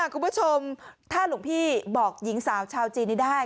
คุณผู้ชมถ้าหลวงพี่บอกหญิงสาวชาวจีนนี้ได้